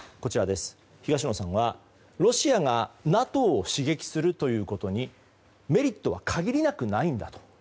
東野さんはロシアがＮＡＴＯを刺激するということにメリットは限りなくないんだと。